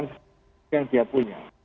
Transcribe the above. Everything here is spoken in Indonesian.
menggunakan yang dia punya